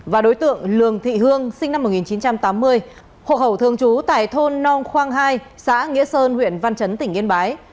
và đối tượng lường thị hương sinh năm một nghìn chín trăm tám mươi hộ khẩu thường trú tại thôn nong khoang hai xã nghĩa sơn huyện văn chấn tỉnh yên bái